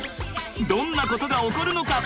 どんなことが起こるのか？